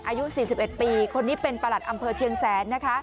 อายุ๔๑ปีคนนี้เป็นประหลัดอำเภอเชียงแสน